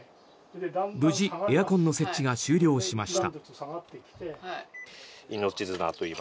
無事エアコンの設置が終了しました。